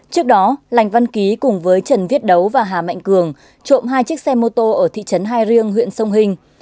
trước đó lành văn ký cùng với trần viết đấu và hà mạnh cường trộm hai chiếc xe mô tô ở thị trấn hai riêng huyện sông hình